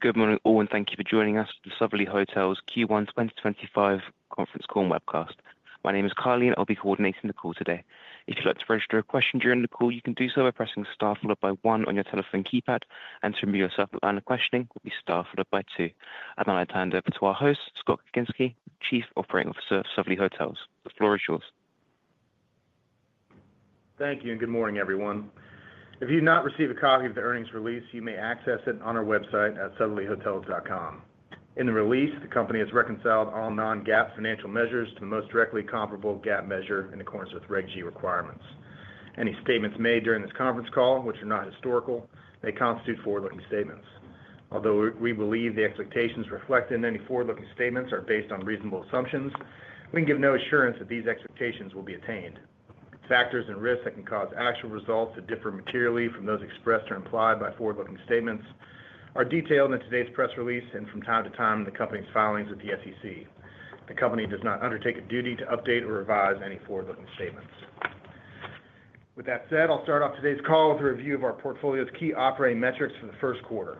Good morning, all, and thank you for joining us at the Sotherly Hotels Q1 2025 conference call and bebcast. My name is Carly, and I'll be coordinating the call today. If you'd like to register a question during the call, you can do so by pressing star followed by one on your telephone keypad, and to remove yourself from the questioning, press star followed by two. I'll now turn it over to our host, Scott Kucinski, Chief Operating Officer of Sotherly Hotels. The floor is yours. Thank you, and good morning, everyone. If you do not receive a copy of the earnings release, you may access it on our website at sotherlyhotels.com. In the release, the company has reconciled all non-GAAP financial measures to the most directly comparable GAAP measure in accordance with REG G requirements. Any statements made during this conference call, which are not historical, may constitute forward-looking statements. Although we believe the expectations reflected in any forward-looking statements are based on reasonable assumptions, we can give no assurance that these expectations will be attained. Factors and risks that can cause actual results to differ materially from those expressed or implied by forward-looking statements are detailed in today's press release and from time to time, the company's filings with the SEC. The company does not undertake a duty to update or revise any forward-looking statements. With that said, I'll start off today's call with a review of our portfolio's key operating metrics for the first quarter.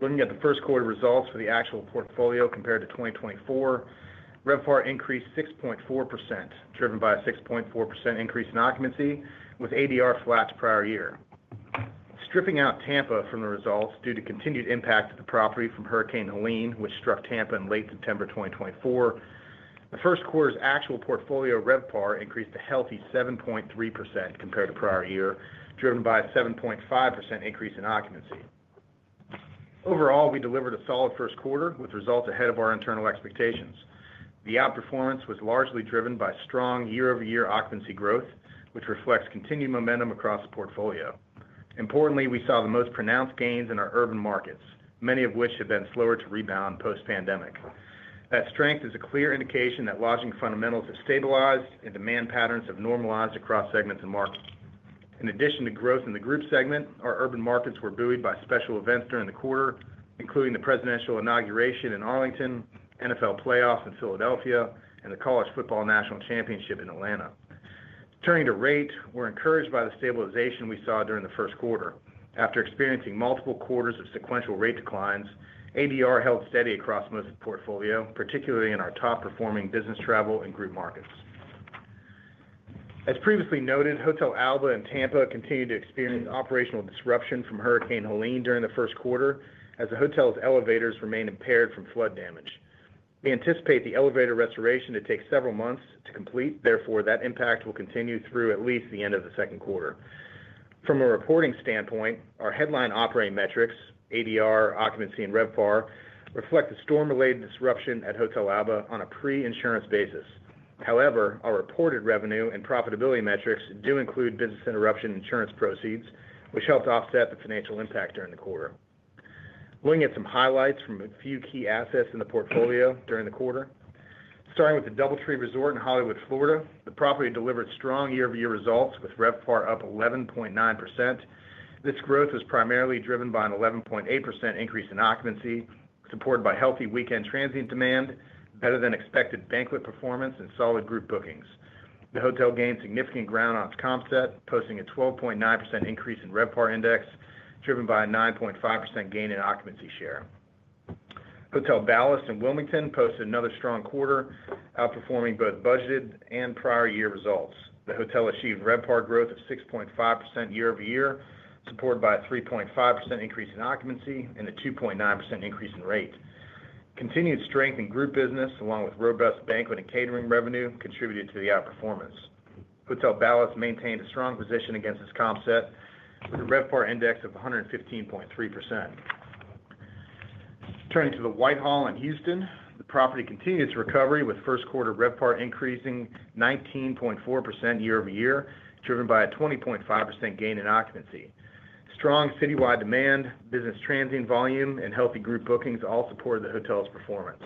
Looking at the first quarter results for the actual portfolio compared to 2024, RevPAR increased 6.4%, driven by a 6.4% increase in occupancy, with ADR flat to prior year. Stripping out Tampa from the results due to continued impact to the property from Hurricane Helene, which struck Tampa in late September 2024, the first quarter's actual portfolio RevPAR increased a healthy 7.3% compared to prior year, driven by a 7.5% increase in occupancy. Overall, we delivered a solid first quarter with results ahead of our internal expectations. The outperformance was largely driven by strong year-over-year occupancy growth, which reflects continued momentum across the portfolio. Importantly, we saw the most pronounced gains in our urban markets, many of which have been slower to rebound post-pandemic. That strength is a clear indication that lodging fundamentals have stabilized and demand patterns have normalized across segments and markets. In addition to growth in the group segment, our urban markets were buoyed by special events during the quarter, including the presidential inauguration in Arlington, NFL playoffs in Philadelphia, and the college football national championship in Atlanta. Turning to rate, we're encouraged by the stabilization we saw during the first quarter. After experiencing multiple quarters of sequential rate declines, ADR held steady across most of the portfolio, particularly in our top-performing business travel and group markets. As previously noted, Hotel Alba in Tampa continued to experience operational disruption from Hurricane Helene during the first quarter, as the hotel's elevators remained impaired from flood damage. We anticipate the elevator restoration to take several months to complete. Therefore, that impact will continue through at least the end of the second quarter. From a reporting standpoint, our headline operating metrics—ADR, occupancy, and RevPAR—reflect the storm-related disruption at Hotel Alba on a pre-insurance basis. However, our reported revenue and profitability metrics do include business interruption insurance proceeds, which helped offset the financial impact during the quarter. Looking at some highlights from a few key assets in the portfolio during the quarter, starting with the DoubleTree Resort in Hollywood, Florida, the property delivered strong year-over-year results with RevPAR up 11.9%. This growth was primarily driven by an 11.8% increase in occupancy, supported by healthy weekend transient demand, better-than-expected banquet performance, and solid group bookings. The hotel gained significant ground on its comp set, posting a 12.9% increase in RevPAR index, driven by a 9.5% gain in occupancy share. Hotel Ballast in Wilmington posted another strong quarter, outperforming both budgeted and prior-year results. The hotel achieved RevPAR growth of 6.5% year-over-year, supported by a 3.5% increase in occupancy and a 2.9% increase in rate. Continued strength in group business, along with robust banquet and catering revenue, contributed to the outperformance. Hotel Ballast maintained a strong position against its comp set with a RevPAR index of 115.3%. Turning to the Whitehall in Houston, the property continued its recovery with first-quarter RevPAR increasing 19.4% year-over-year, driven by a 20.5% gain in occupancy. Strong citywide demand, business transient volume, and healthy group bookings all supported the hotel's performance.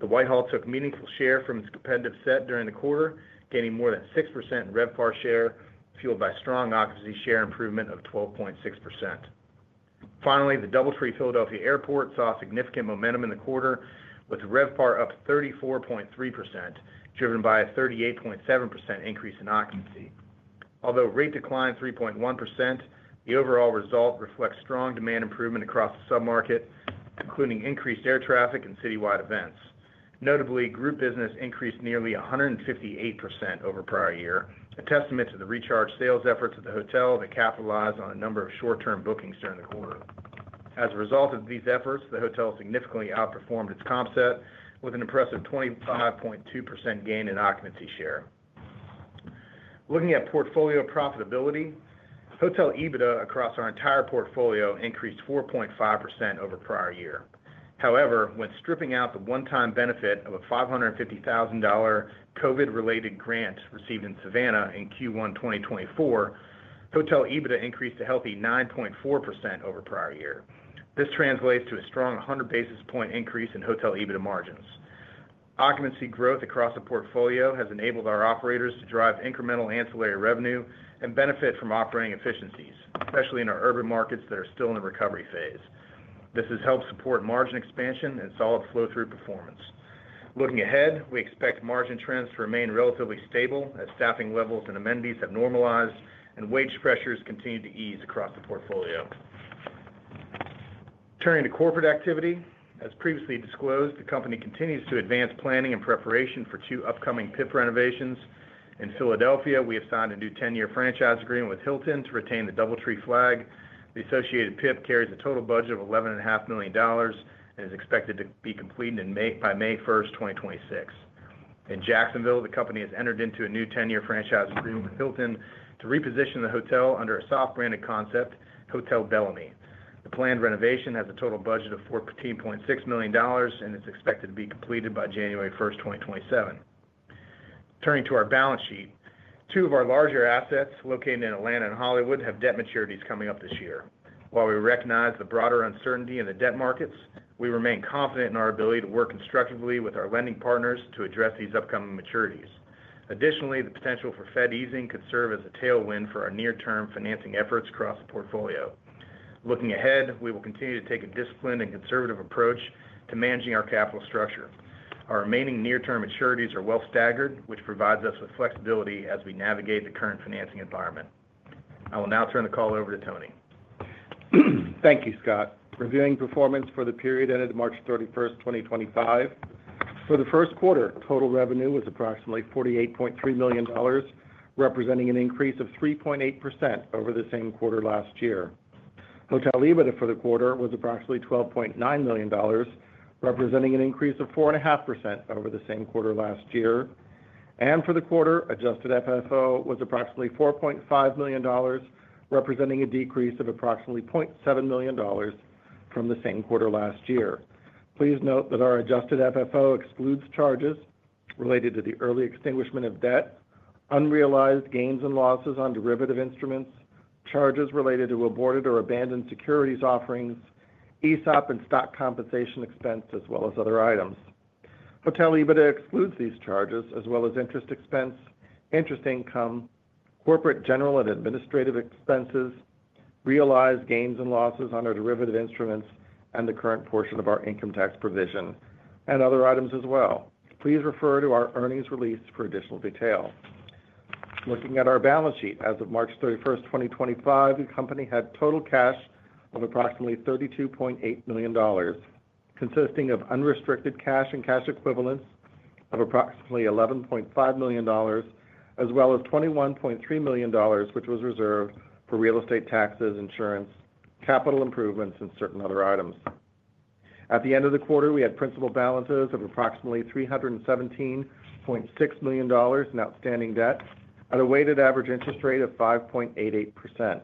The Whitehall took meaningful share from its competitive set during the quarter, gaining more than 6% in RevPAR share, fueled by strong occupancy share improvement of 12.6%. Finally, the DoubleTree Philadelphia Airport saw significant momentum in the quarter, with RevPAR up 34.3%, driven by a 38.7% increase in occupancy. Although rate declined 3.1%, the overall result reflects strong demand improvement across the submarket, including increased air traffic and citywide events. Notably, group business increased nearly 158% over prior year, a testament to the recharged sales efforts of the hotel that capitalized on a number of short-term bookings during the quarter. As a result of these efforts, the hotel significantly outperformed its comp set with an impressive 25.2% gain in occupancy share. Looking at portfolio profitability, Hotel EBITDA across our entire portfolio increased 4.5% over prior year. However, when stripping out the one-time benefit of a $550,000 COVID-related grant received in Savannah in Q1 2024, Hotel EBITDA increased a healthy 9.4% over prior year. This translates to a strong 100 basis point increase in Hotel EBITDA margins. Occupancy growth across the portfolio has enabled our operators to drive incremental ancillary revenue and benefit from operating efficiencies, especially in our urban markets that are still in the recovery phase. This has helped support margin expansion and solid flow-through performance. Looking ahead, we expect margin trends to remain relatively stable as staffing levels and amenities have normalized and wage pressures continue to ease across the portfolio. Turning to corporate activity, as previously disclosed, the company continues to advance planning and preparation for two upcoming PIP renovations. In Philadelphia, we have signed a new 10-year franchise agreement with Hilton to retain the DoubleTree flag. The associated PIP carries a total budget of $11.5 million and is expected to be completed by May 1st, 2026. In Jacksonville, the company has entered into a new 10-year franchise agreement with Hilton to reposition the hotel under a soft-branded concept, Hotel Bellamy. The planned renovation has a total budget of $14.6 million and is expected to be completed by January 1st, 2027. Turning to our balance sheet, two of our larger assets, located in Atlanta and Hollywood, have debt maturities coming up this year. While we recognize the broader uncertainty in the debt markets, we remain confident in our ability to work constructively with our lending partners to address these upcoming maturities. Additionally, the potential for Fed easing could serve as a tailwind for our near-term financing efforts across the portfolio. Looking ahead, we will continue to take a disciplined and conservative approach to managing our capital structure. Our remaining near-term maturities are well staggered, which provides us with flexibility as we navigate the current financing environment. I will now turn the call over to Tony. Thank you, Scott. Reviewing performance for the period ended March 31st, 2025. For the first quarter, total revenue was approximately $48.3 million, representing an increase of 3.8% over the same quarter last year. Hotel EBITDA for the quarter was approximately $12.9 million, representing an increase of 4.5% over the same quarter last year. For the quarter, adjusted FFO was approximately $4.5 million, representing a decrease of approximately $0.7 million from the same quarter last year. Please note that our adjusted FFO excludes charges related to the early extinguishment of debt, unrealized gains and losses on derivative instruments, charges related to aborted or abandoned securities offerings, ESOP and stock compensation expense, as well as other items. Hotel EBITDA excludes these charges, as well as interest expense, interest income, corporate general and administrative expenses, realized gains and losses on our derivative instruments, and the current portion of our income tax provision, and other items as well. Please refer to our earnings release for additional detail. Looking at our balance sheet as of March 31st, 2025, the company had total cash of approximately $32.8 million, consisting of unrestricted cash and cash equivalents of approximately $11.5 million, as well as $21.3 million, which was reserved for real estate taxes, insurance, capital improvements, and certain other items. At the end of the quarter, we had principal balances of approximately $317.6 million in outstanding debt at a weighted average interest rate of 5.88%.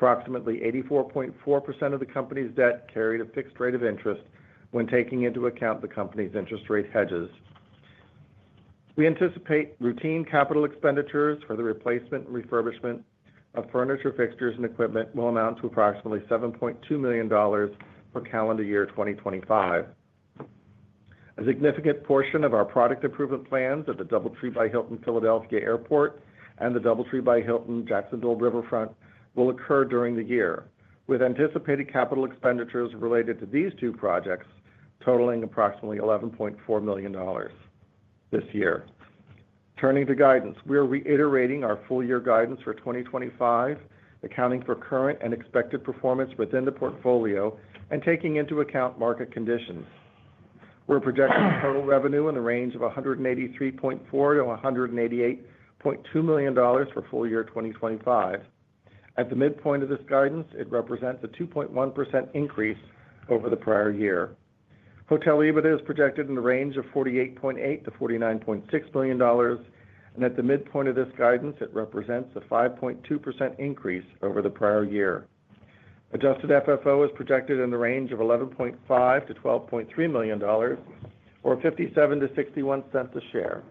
Approximately 84.4% of the company's debt carried a fixed rate of interest when taking into account the company's interest rate hedges. We anticipate routine capital expenditures for the replacement and refurbishment of furniture, fixtures, and equipment will amount to approximately $7.2 million for calendar year 2025. A significant portion of our product improvement plans at the DoubleTree by Hilton Philadelphia Airport and the DoubleTree by Hilton Jacksonville Riverfront will occur during the year, with anticipated capital expenditures related to these two projects totaling approximately $11.4 million this year. Turning to guidance, we are reiterating our full-year guidance for 2025, accounting for current and expected performance within the portfolio and taking into account market conditions. We're projecting total revenue in the range of $183.4 million-$188.2 million for full year 2025. At the midpoint of this guidance, it represents a 2.1% increase over the prior year. Hotel EBITDA is projected in the range of $48.8-$49.6 million, and at the midpoint of this guidance, it represents a 5.2% increase over the prior year. Adjusted FFO is projected in the range of $11.5-$12.3 million, or $0.57-$0.61 a share.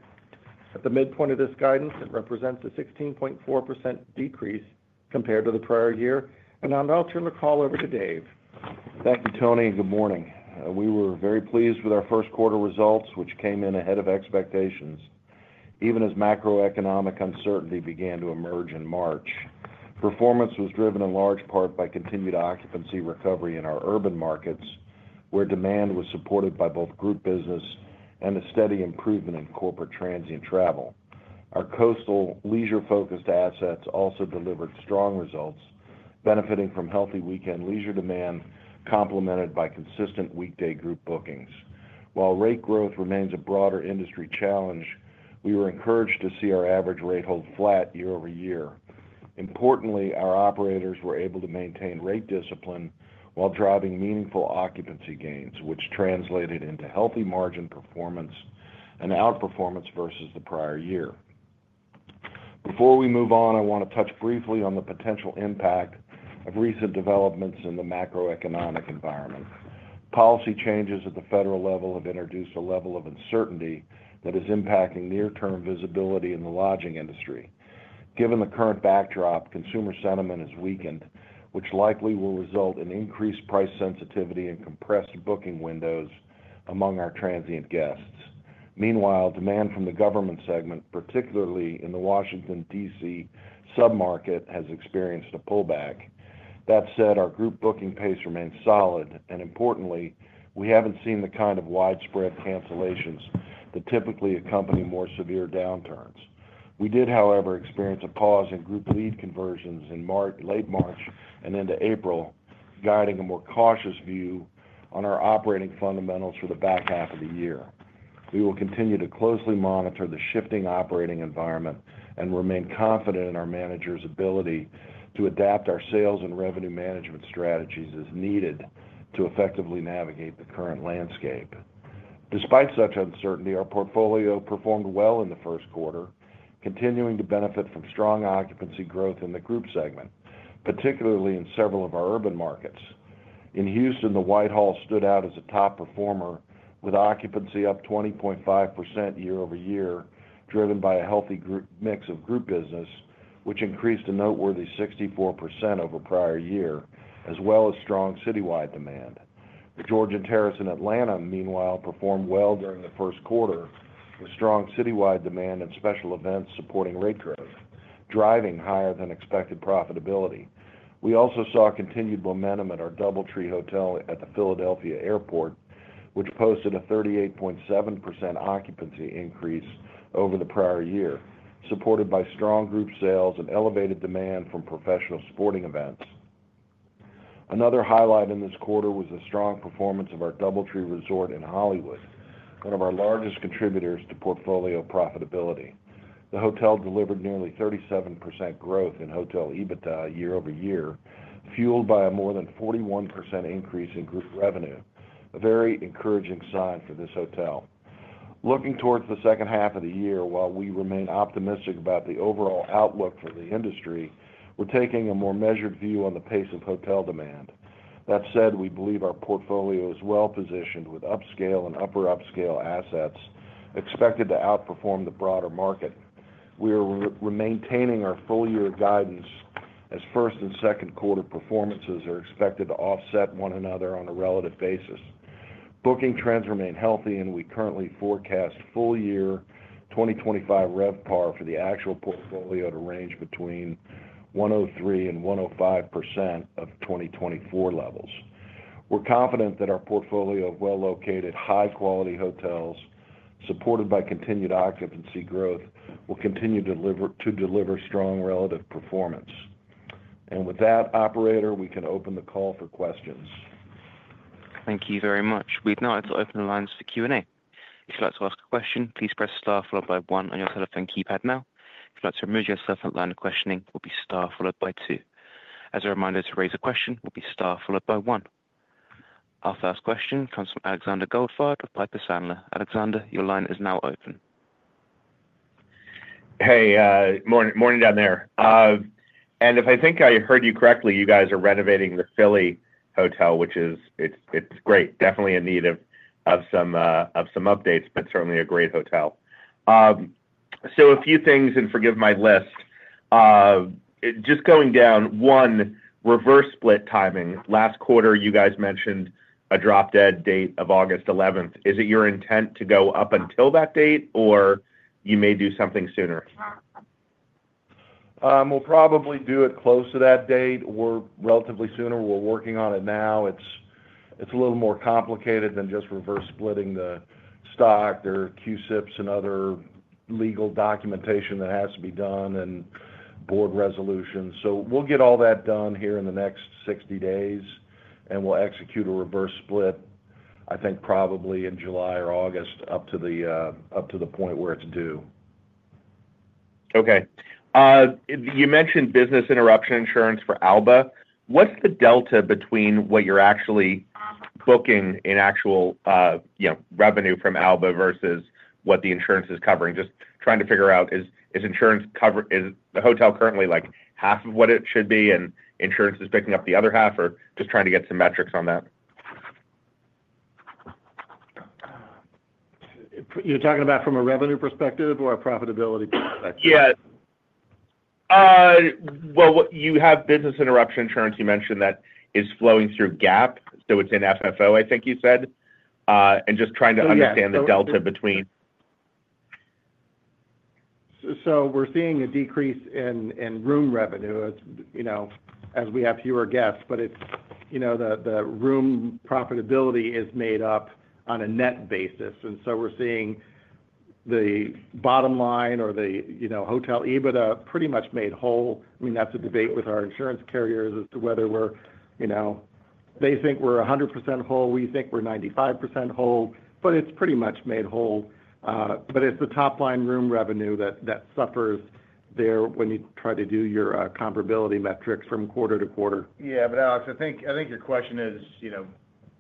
At the midpoint of this guidance, it represents a 16.4% decrease compared to the prior year. I'll now turn the call over to Dave. Thank you, Tony. Good morning. We were very pleased with our first quarter results, which came in ahead of expectations, even as macroeconomic uncertainty began to emerge in March. Performance was driven in large part by continued occupancy recovery in our urban markets, where demand was supported by both group business and a steady improvement in corporate transient travel. Our coastal leisure-focused assets also delivered strong results, benefiting from healthy weekend leisure demand complemented by consistent weekday group bookings. While rate growth remains a broader industry challenge, we were encouraged to see our average rate hold flat year-over-year. Importantly, our operators were able to maintain rate discipline while driving meaningful occupancy gains, which translated into healthy margin performance and outperformance versus the prior year. Before we move on, I want to touch briefly on the potential impact of recent developments in the macroeconomic environment. Policy changes at the federal level have introduced a level of uncertainty that is impacting near-term visibility in the lodging industry. Given the current backdrop, consumer sentiment has weakened, which likely will result in increased price sensitivity and compressed booking windows among our transient guests. Meanwhile, demand from the government segment, particularly in the Washington, D.C. submarket, has experienced a pullback. That said, our group booking pace remains solid, and importantly, we haven't seen the kind of widespread cancellations that typically accompany more severe downturns. We did, however, experience a pause in group lead conversions in late March and into April, guiding a more cautious view on our operating fundamentals for the back half of the year. We will continue to closely monitor the shifting operating environment and remain confident in our managers' ability to adapt our sales and revenue management strategies as needed to effectively navigate the current landscape. Despite such uncertainty, our portfolio performed well in the first quarter, continuing to benefit from strong occupancy growth in the group segment, particularly in several of our urban markets. In Houston, the Whitehall stood out as a top performer with occupancy up 20.5% year-over-year, driven by a healthy mix of group business, which increased a noteworthy 64% over prior year, as well as strong citywide demand. The Georgia Terrace in Atlanta, meanwhile, performed well during the first quarter with strong citywide demand and special events supporting rate growth, driving higher-than-expected profitability. We also saw continued momentum at our DoubleTree by Hilton Philadelphia Airport, which posted a 38.7% occupancy increase over the prior year, supported by strong group sales and elevated demand from professional sporting events. Another highlight in this quarter was the strong performance of our DoubleTree Resort Hollywood, one of our largest contributors to portfolio profitability. The hotel delivered nearly 37% growth in Hotel EBITDA year-over-year, fueled by a more than 41% increase in group revenue, a very encouraging sign for this hotel. Looking towards the second half of the year, while we remain optimistic about the overall outlook for the industry, we're taking a more measured view on the pace of hotel demand. That said, we believe our portfolio is well-positioned with upscale and upper-upscale assets expected to outperform the broader market. We are maintaining our full-year guidance as first and second quarter performances are expected to offset one another on a relative basis. Booking trends remain healthy, and we currently forecast full-year 2025 RevPAR for the actual portfolio to range between 103%-105% of 2024 levels. We're confident that our portfolio of well-located, high-quality hotels, supported by continued occupancy growth, will continue to deliver strong relative performance. Operator, we can open the call for questions. Thank you very much. We've now opened the lines for Q&A. If you'd like to ask a question, please press star followed by one on your telephone keypad now. If you'd like to remove yourself and line of questioning, it will be star followed by two. As a reminder to raise a question, it will be star followed by one. Our first question comes from Alexander Goldfarb of Piper Sandler. Alexander, your line is now open. Hey, morning down there. If I think I heard you correctly, you guys are renovating the Philly Hotel, which is great, definitely in need of some updates, but certainly a great hotel. A few things, and forgive my list. Just going down, one, reverse split timing. Last quarter, you guys mentioned a drop-dead date of August 11. Is it your intent to go up until that date, or you may do something sooner? We'll probably do it close to that date or relatively sooner. We're working on it now. It's a little more complicated than just reverse splitting the stock. There are CUSIPs and other legal documentation that has to be done, and board resolutions. So we'll get all that done here in the next 60 days, and we'll execute a reverse split, I think probably in July or August, up to the point where it's due. Okay. You mentioned business interruption insurance for Alba. What's the delta between what you're actually booking in actual revenue from Alba versus what the insurance is covering? Just trying to figure out is the hotel currently half of what it should be, and insurance is picking up the other half, or just trying to get some metrics on that? You're talking about from a revenue perspective or a profitability perspective? Yeah. You have business interruption insurance, you mentioned that is flowing through GAAP, so it's in FFO, I think you said, and just trying to understand the delta between. We're seeing a decrease in room revenue as we have fewer guests, but the room profitability is made up on a net basis. We're seeing the bottom line or the Hotel EBITDA pretty much made whole. I mean, that's a debate with our insurance carriers as to whether they think we're 100% whole, we think we're 95% whole, but it's pretty much made whole. It's the top-line room revenue that suffers there when you try to do your comparability metrics from quarter to quarter. Yeah, but Alex, I think your question is,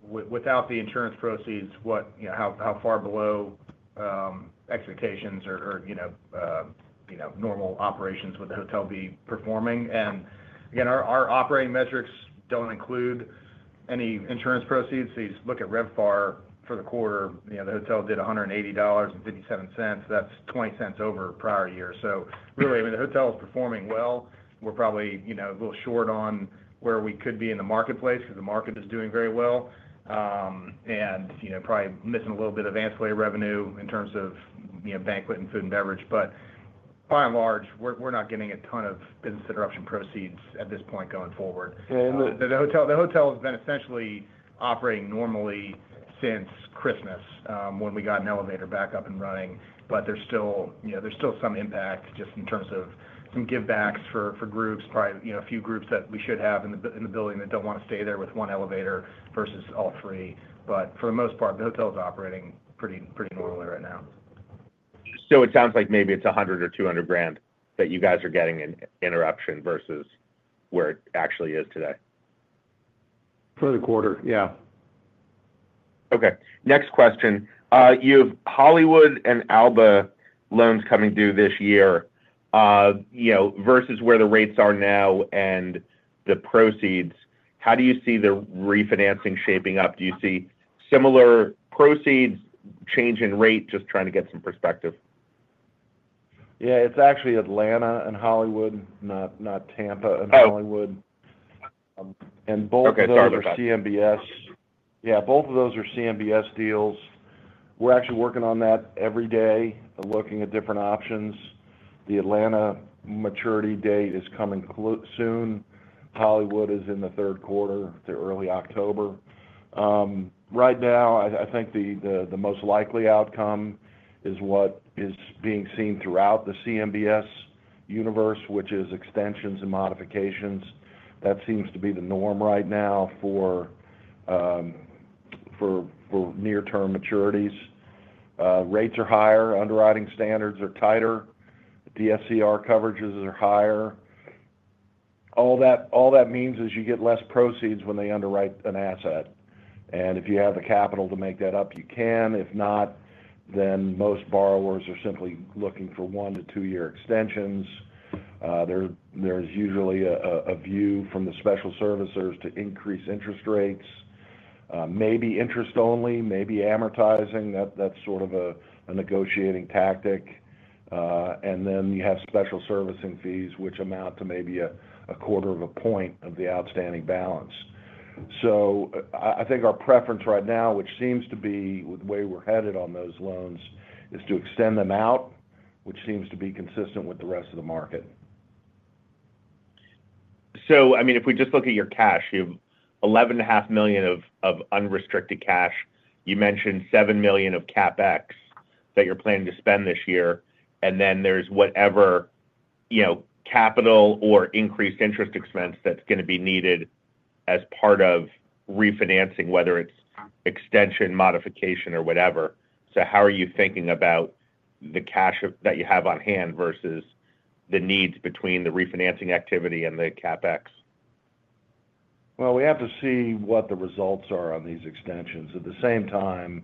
without the insurance proceeds, how far below expectations or normal operations would the hotel be performing? Again, our operating metrics do not include any insurance proceeds. Look at RevPAR for the quarter. The hotel did $180.57. That is 20 cents over prior year. I mean, the hotel is performing well. We are probably a little short on where we could be in the marketplace because the market is doing very well and probably missing a little bit of antiquated revenue in terms of banquet and food, and beverage. By and large, we are not getting a ton of business interruption proceeds at this point going forward. The hotel has been essentially operating normally since Christmas, when we got an elevator back up and running, but there's still some impact just in terms of some give-backs for groups, probably a few groups that we should have in the building that don't want to stay there with one elevator versus all three. For the most part, the hotel is operating pretty normally right now. It sounds like maybe it's $100,000 or $200,000 that you guys are getting in interruption versus where it actually is today. For the quarter, yeah. Okay. Next question. You have Hollywood and Alba loans coming due this year, versus where the rates are now and the proceeds. How do you see the refinancing shaping up? Do you see similar proceeds, change in rate? Just trying to get some perspective. Yeah, it's actually Atlanta and Hollywood, not Tampa and Hollywood. Both of those are CMBS. Yeah, both of those are CMBS deals. We're actually working on that every day, looking at different options. The Atlanta maturity date is coming soon. Hollywood is in the third quarter, early October. Right now, I think the most likely outcome is what is being seen throughout the CMBS universe, which is extensions and modifications. That seems to be the norm right now for near-term maturities. Rates are higher. Underwriting standards are tighter. DSCR coverages are higher. All that means is you get less proceeds when they underwrite an asset. If you have the capital to make that up, you can. If not, then most borrowers are simply looking for one- to two-year extensions. There's usually a view from the special servicers to increase interest rates, maybe interest-only, maybe amortizing. That's sort of a negotiating tactic. Then you have special servicing fees, which amount to maybe a quarter of a point of the outstanding balance. I think our preference right now, which seems to be the way we're headed on those loans, is to extend them out, which seems to be consistent with the rest of the market. I mean, if we just look at your cash, you have $11.5 million of unrestricted cash. You mentioned $7 million of CapEx that you're planning to spend this year. And then there's whatever capital or increased interest expense that's going to be needed as part of refinancing, whether it's extension, modification, or whatever. How are you thinking about the cash that you have on hand versus the needs between the refinancing activity and the CapEx? We have to see what the results are on these extensions. At the same time,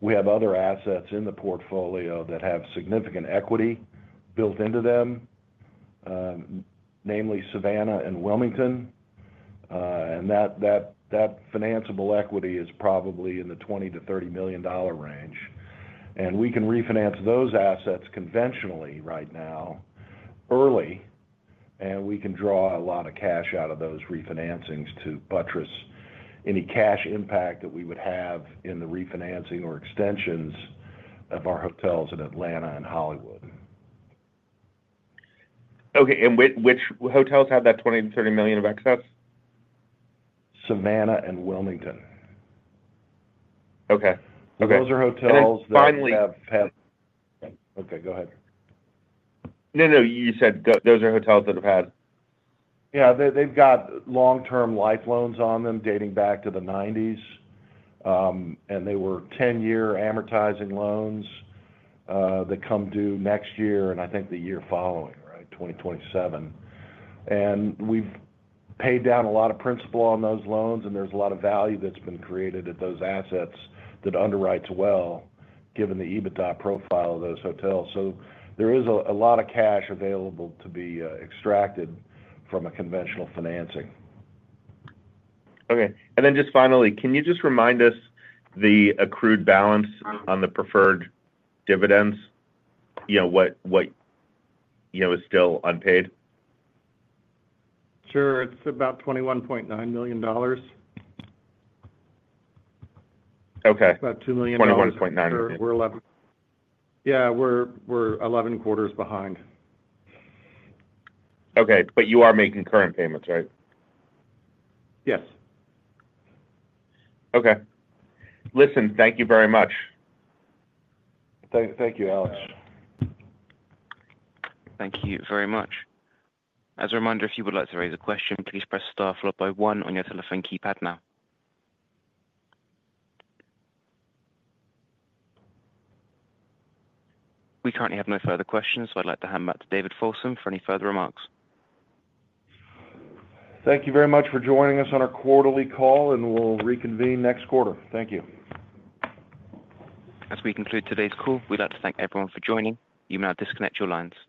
we have other assets in the portfolio that have significant equity built into them, namely, Savannah and Wilmington. That financial equity is probably in the $20 million-$30 million range. We can refinance those assets conventionally right now, early, and we can draw a lot of cash out of those refinancings to buttress any cash impact that we would have in the refinancing or extensions of our hotels in Atlanta and Hollywood. Okay. Which hotels have that $20 million-$30 million of excess? Savannah and Wilmington. Okay. Those are hotels that have. Okay. Finally. Okay. Go ahead. No, no. You said those are hotels that have had. Yeah. They've got long-term life loans on them dating back to the 1990s. They were 10-year amortizing loans that come due next year, and I think the year following, right? 2027. We've paid down a lot of principal on those loans, and there's a lot of value that's been created at those assets that underwrites well, given the EBITDA profile of those hotels. There is a lot of cash available to be extracted from a conventional financing. Okay. And then just finally, can you just remind us the accrued balance on the preferred dividends, what is still unpaid? Sure. It's about $21.9 million. Okay. About $2 million. $21.9 million. We're eleven. Yeah. We're eleven quarters behind. Okay. You are making current payments, right? Yes. Okay. Listen, thank you very much. Thank you, Alex. Thank you very much. As a reminder, if you would like to raise a question, please press star followed by one on your telephone keypad now. We currently have no further questions, so I'd like to hand back to David Folsom for any further remarks. Thank you very much for joining us on our quarterly call, and we'll reconvene next quarter. Thank you. As we conclude today's call, we'd like to thank everyone for joining. You may now disconnect your lines.